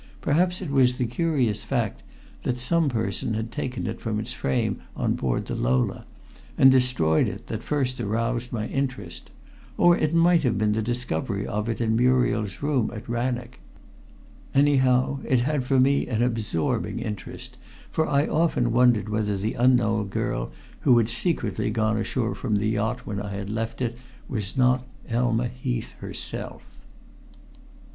Perhaps it was the curious fact that some person had taken it from its frame on board the Lola and destroyed it that first aroused my interest; or it might have been the discovery of it in Muriel's room at Rannoch. Anyhow, it had for me an absorbing interest, for I often wondered whether the unknown girl who had secretly gone ashore from the yacht when I had left it was not Elma Heath herself.